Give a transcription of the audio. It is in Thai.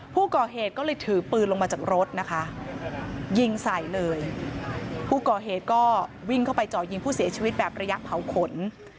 ผู้ก่อเหตุก็เลยถือปืนลงมาจากรถนะคะยิงใส่เลยผู้ก่อเหตุก็วิ่งเข้าไปเจาะยิงผู้เสียชีวิตแบบระยะเผาขน